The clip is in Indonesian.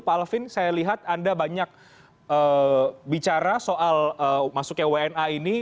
pak alvin saya lihat anda banyak bicara soal masuknya wna ini